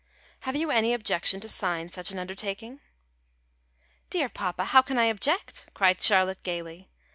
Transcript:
Have you any objection to sign such an undertaking?" "Dear papa, how can I object?" cried Charlotte gaily.